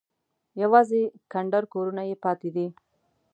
یوازې کنډر کورونه یې پاتې دي.